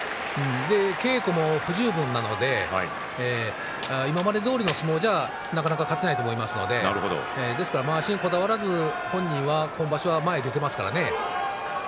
稽古も不十分なので今までどおりの相撲ではなかなか勝てないと思いますのでですから、まわしにこだわらず本人は今場所は前に出ていますからね。